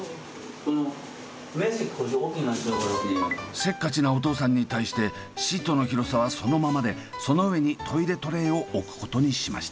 せっかちなお父さんに対してシートの広さはそのままでその上にトイレトレーを置くことにしました。